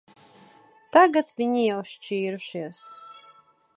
Tagad viņi jau šķīrušies.